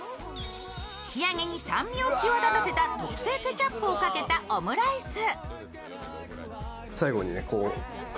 仕上げに酸味を際立たせた特製ケチャップをかけたオムライス。